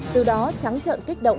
từ đó trắng trận kích động